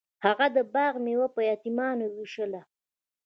هغه د باغ میوه په یتیمانو ویشله.